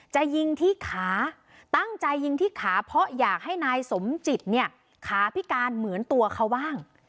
จะยิงที่ขาตั้งใจยิงที่ขาเพราะอยากให้นายสมจิตเนี่ยขาพิการเหมือนตัวเขาบ้าง